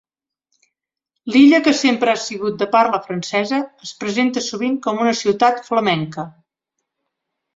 Lilla que sempre ha sigut de parla francesa, es presenta sovint com una ciutat flamenca.